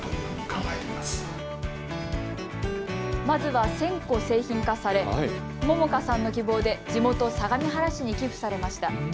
まずは１０００個製品化され杏果さんの希望で地元、相模原市に寄付されました。